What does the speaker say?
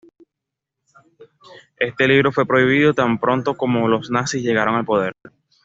Este libro fue prohibido tan pronto como los nazis llegaron al poder.